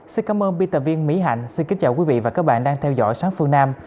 xin cảm ơn biên tập viên mỹ hạnh xin kính chào quý vị và các bạn đang theo dõi sáng phương nam